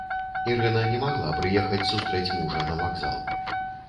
Ірына не магла прыехаць сустрэць мужа на вакзал.